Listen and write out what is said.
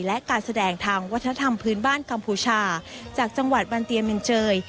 และการแสดงทางวัฒนธรรมพื้นบ้านกัมพูชาจากจังหวัดบันเตียเมนเจย